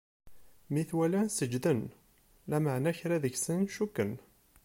Mi t-walan, seǧǧden, lameɛna kra seg-sen cukken.